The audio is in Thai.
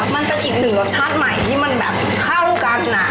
มันเป็นอีกหนึ่งรสชาติใหม่ที่มันแบบเข้ากัน